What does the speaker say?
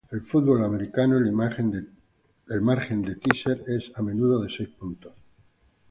En fútbol americano, el margen de "teaser" es a menudo de seis puntos.